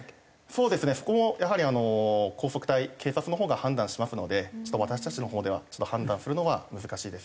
そうですねそこもやはり高速隊警察のほうが判断しますのでちょっと私たちのほうでは判断するのは難しいです。